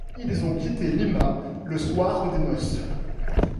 Ils ont quitté Lima le soir des noces.